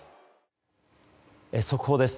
速報です。